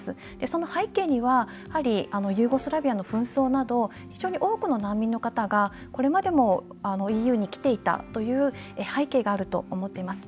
その背景にはやはりユーゴスラビアの紛争など非常に多くの難民の方がこれまでもＥＵに来ていたという背景があると思っています。